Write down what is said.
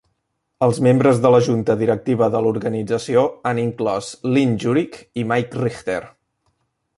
Els membres de la junta directiva de l'organització han inclòs Lynn Jurich i Mike Richter.